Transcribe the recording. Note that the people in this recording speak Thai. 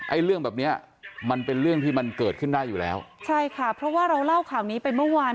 เรื่องแบบเนี้ยมันเป็นเรื่องที่มันเกิดขึ้นได้อยู่แล้วใช่ค่ะเพราะว่าเราเล่าข่าวนี้ไปเมื่อวาน